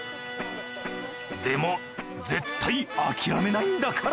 でも絶対諦めないんだから！